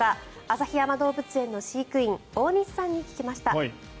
旭山動物園の飼育員大西さんに聞きました。